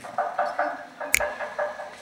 萨夫洛。